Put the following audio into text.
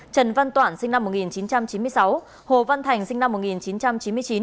trần văn toản sinh năm một nghìn chín trăm chín mươi sáu hồ văn thành sinh năm một nghìn chín trăm chín mươi chín